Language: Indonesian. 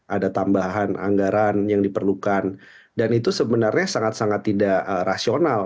ada tambahan anggaran yang diperlukan dan itu sebenarnya sangat sangat tidak rasional